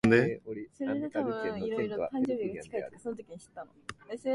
海は黒くて、空も黒かった。どこまで行けば、終着点なのか全くわからなかった。